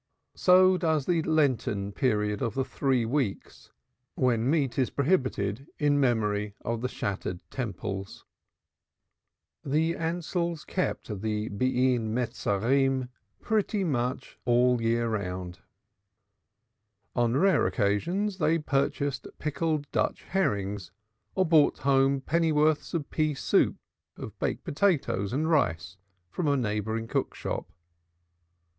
So does the Lenten period of the "Three Weeks," when meat is prohibited in memory of the shattered Temples. The Ansells kept the "Three Weeks" pretty well all the year round. On rare occasions they purchased pickled Dutch herrings or brought home pennyworths of pea soup or of baked potatoes and rice from a neighboring cook shop.